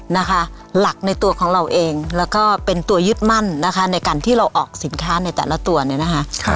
นะคะหลักในตัวของเราเองแล้วก็เป็นตัวยึดมั่นนะคะในการที่เราออกสินค้าในแต่ละตัวเนี่ยนะคะ